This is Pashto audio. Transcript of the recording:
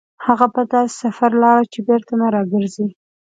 هغه په داسې سفر لاړ چې بېرته نه راګرځي.